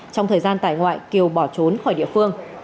trong thời gian tải ngoại kiều bỏ trốn khỏi địa phương